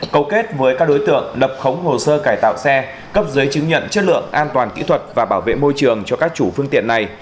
cầu kết với các đối tượng lập khống hồ sơ cải tạo xe cấp giấy chứng nhận chất lượng an toàn kỹ thuật và bảo vệ môi trường cho các chủ phương tiện này